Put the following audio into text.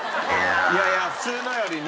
いやいや普通のよりね。